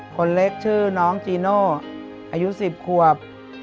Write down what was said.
คนเล็กชื่อน้องจีโน่อายุ๑๐ขวบ